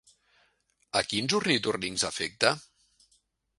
A quins ornitorrincs afecta?